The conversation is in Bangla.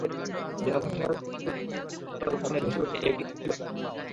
যেন ভাষার দূরত্ব ডিঙিয়ে কবিতার দর্পণে ভেসে ওঠে একই রকম মুখ।